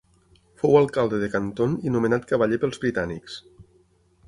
Fou alcalde de Canton i nomenat cavaller pels britànics.